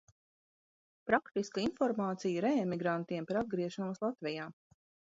Praktiska informācija reemigrantiem par atgriešanos Latvijā.